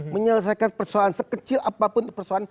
menyelesaikan persoalan sekecil apapun itu persoalan